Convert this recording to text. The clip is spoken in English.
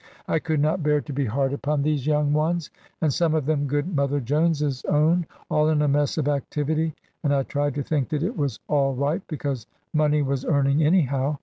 I could not bear to be hard upon these young ones and some of them good Mother Jones's own all in a mess of activity; and I tried to think that it was all right, because money was earning anyhow.